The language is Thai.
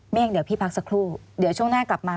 เองเดี๋ยวพี่พักสักครู่เดี๋ยวช่วงหน้ากลับมา